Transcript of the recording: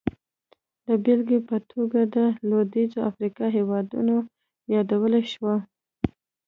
د بېلګې په توګه یې د لوېدیځې افریقا هېوادونه یادولی شو.